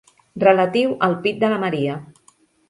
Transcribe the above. Relatiu al pit de la Maria.